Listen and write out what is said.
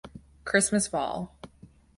Christmas Vol.